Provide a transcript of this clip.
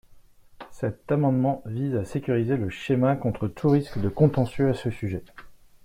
Cet amendement vise à sécuriser le schéma contre tout risque de contentieux à ce sujet.